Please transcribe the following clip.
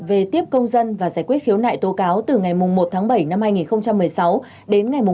về tiếp công dân và giải quyết khiếu nại tố cáo từ ngày một tháng bảy năm hai nghìn một mươi sáu đến ngày